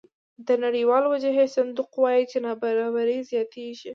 د نړیوال وجهي صندوق وایي چې نابرابري زیاتېږي